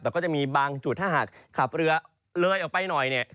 แต่ก็จะมีบางจุดถ้าหากขับเรือเลยออกไปหน่อยเนี่ย